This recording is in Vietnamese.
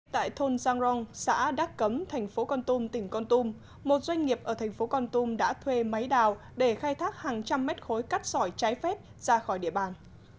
tại thôn giang rong xã đắc cấm thành phố con tum tỉnh con tum một doanh nghiệp ở thành phố con tum đã thuê máy đào để khai thác hàng trăm mét khối cát sỏi trái phép ra khỏi địa bàn